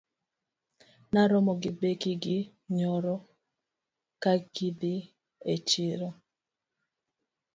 Na romo gi Becky gini nyoro ka gidhii e chiro